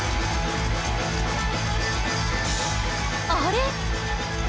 あれ？